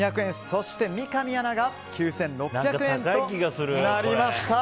そして、三上アナが９６００円となりました。